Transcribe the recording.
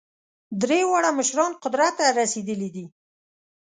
درې واړه مشران قدرت ته رسېدلي دي.